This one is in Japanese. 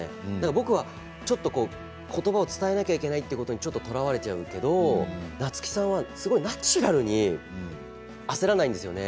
僕はちょっと言葉を伝えなければいけないというところにとらわれちゃうけど夏木さんはナチュラルに焦らないんですよね。